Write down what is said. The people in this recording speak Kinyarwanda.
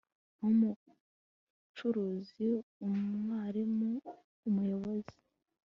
nk'umucuruzi, umwarimu, umuyobozi